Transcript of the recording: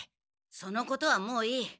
そのことはもういい。